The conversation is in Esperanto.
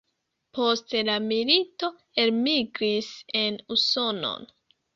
Post la milito elmigris en Usonon.